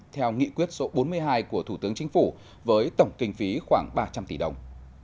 theo nghị quyết số bốn mươi hai của thủ tướng chính phủ với tổng kinh phí khoảng ba trăm linh tỷ đồng